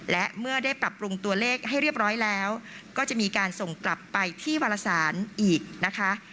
และเมื่อได้ปรับปรุงตัวเลขให้เรียบร้อยแล้วก็จะมีการส่งกลับไปที่วารสารอีกนะคะ